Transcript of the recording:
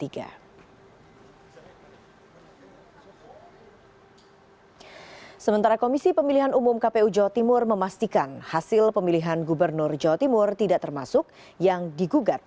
keputusan jawa barat dua ribu delapan belas menangkan pilihan gubernur jawa barat dua ribu delapan belas